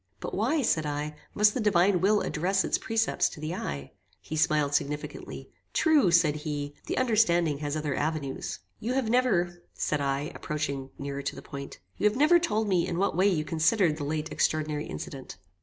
"But why," said I, "must the Divine Will address its precepts to the eye?" He smiled significantly. "True," said he, "the understanding has other avenues." "You have never," said I, approaching nearer to the point "you have never told me in what way you considered the late extraordinary incident."